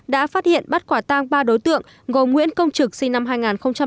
đã phát hiện bắt quả tang ba đối tượng gồm nguyễn công trực sinh năm hai nghìn hai